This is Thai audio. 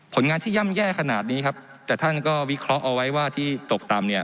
งานที่ย่ำแย่ขนาดนี้ครับแต่ท่านก็วิเคราะห์เอาไว้ว่าที่ตกต่ำเนี่ย